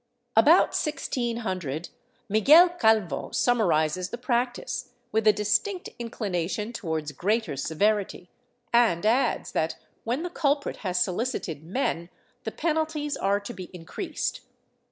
About 1600, Miguel Calvo summarizes the practice, with a distinct inclination towards greater severity, and adds that, when the culprit has solicited men, the penalties are to be increased.